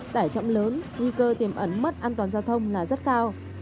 tải trọng lớn nguy cơ tiềm ẩn mất an toàn giao thông là rất cao